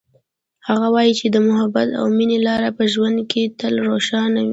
هغه وایي چې د محبت او مینې لار په ژوند کې تل روښانه وي